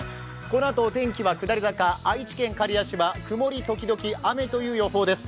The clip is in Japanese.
このあと、お天気は下り坂、愛知県刈谷市は曇り時々雨という予報です。